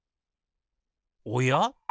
おや？